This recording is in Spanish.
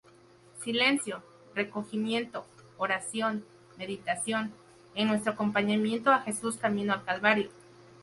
Silencio, recogimiento, oración, meditación en nuestro acompañamiento a Jesús camino al Calvario.